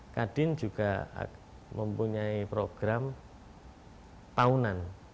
kadin juga mempunyai program tahunan